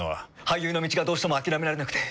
俳優の道がどうしても諦められなくて。